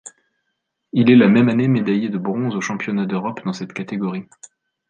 Il est la même année médaillé de bronze aux Championnats d'Europe dans cette catégorie.